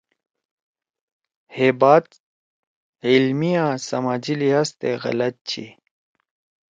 ہے بات علمی آں سماجی لحاظ تے غلط چھی۔